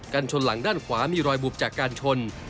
ชนหลังด้านขวามีรอยบุบจากการชน